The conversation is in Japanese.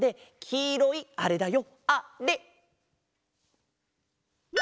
きいろいあれだよ。